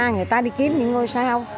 người ta đi kiếm những ngôi sao